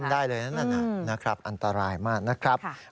ล้มได้เลยนะครับอันตรายมากนะครับ